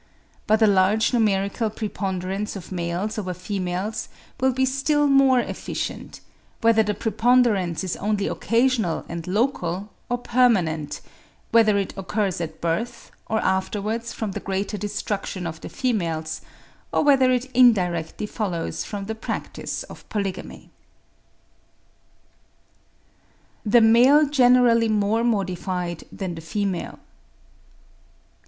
But a large numerical preponderance of males over females will be still more efficient; whether the preponderance is only occasional and local, or permanent; whether it occurs at birth, or afterwards from the greater destruction of the females; or whether it indirectly follows from the practice of polygamy. THE MALE GENERALLY MORE MODIFIED THAN THE FEMALE.